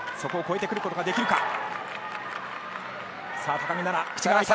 そこを超えてくることができるか。